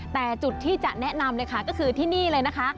แต่จุดที่จะแนะนำเลยค่ะก็คือที่นี่เลยนะคะ